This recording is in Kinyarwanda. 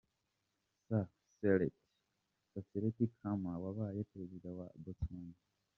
Sir Seretse Khama wabaye Perezida wa Botswana.